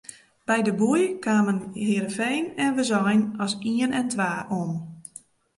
By de boei kamen Hearrenfean en Wâldsein as ien en twa om.